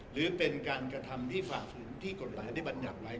หรือเป็นการกระทำที่ฝ่าฝืนที่กฎหมายได้บรรยัติไว้